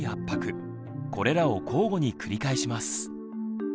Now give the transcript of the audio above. これらを交互に繰り返します。